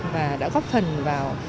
và đã góp phần vào